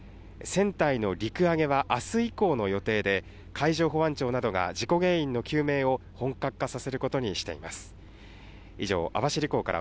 船体の陸揚げはあす以降の予定で、海上保安庁などが、事故原因の究明を本格化させることにしています。